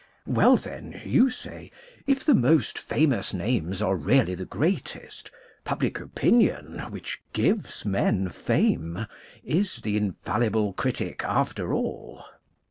Well then, you say, if the most famous names are really the greatest, public opinion, which gives men fame, is the infallible critic after all.